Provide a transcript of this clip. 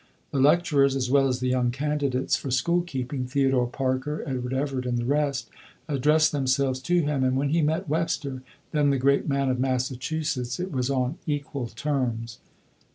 The lecturers, as well as the young candidates for school keeping Theodore Parker, Edward Everett, and the rest addressed themselves to him, and when he met Webster, then the great man of Massachusetts, it was on equal terms.